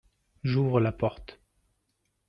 J'ouvre la porte.